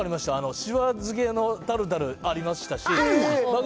しば漬のタルタルありましたし。